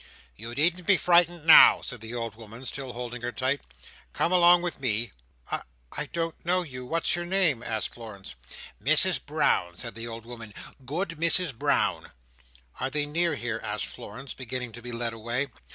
"You needn't be frightened now," said the old woman, still holding her tight. "Come along with me." "I—I don't know you. What's your name?" asked Florence. "Mrs Brown," said the old woman. "Good Mrs Brown." "Are they near here?" asked Florence, beginning to be led away.